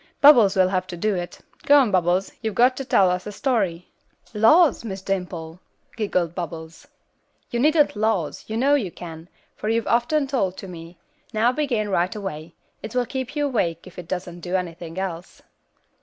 Bubbles will have to do it. Go on Bubbles, you've got to tell us a story." "Laws! Miss Dimple," giggled Bubbles. "You needn't 'laws,' you know you can, for you've often told them to me; now begin, right away; it will keep you awake if it doesn't do anything else."